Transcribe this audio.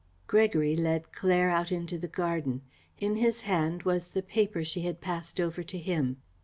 Gregory led Claire out into the garden. In his hand was the paper she had passed over to him.